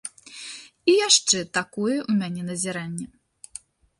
І яшчэ такое ў мяне назіранне.